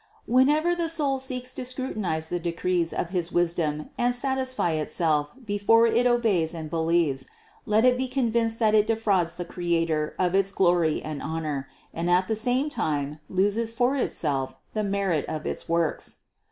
Whenever the soul seeks to scrutinize the decrees of his wisdom and satisfy itself before it obeys and believes, let it be convinced that it defrauds the Creator of its glory and honor, and at the same time loses for itself the merit of its works.